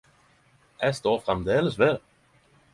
Eg står framleis ved det.